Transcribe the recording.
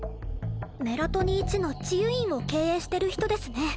メラトニいちの治癒院を経営してる人ですね